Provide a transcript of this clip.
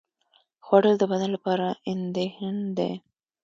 خوړل د بدن لپاره ایندھن دی